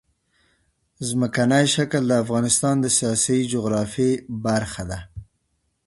ځمکنی شکل د افغانستان د سیاسي جغرافیه برخه ده.